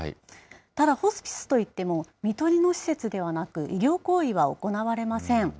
ただホスピスといっても、看取りの施設ではなく、医療行為は行われません。